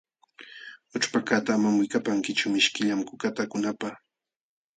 Ućhpakaqta amam wikapankichu, mishkillam kukata akunapq.